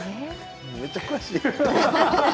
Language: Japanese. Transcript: めっちゃ詳しい。